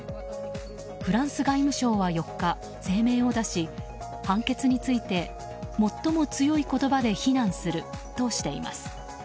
フランス外務省は４日声明を出し判決について、最も強い言葉で非難するとしています。